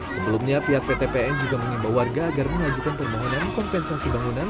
sebelumnya pihak ptpn juga menimbau warga agar mengajukan permohonan kompensasi bangunan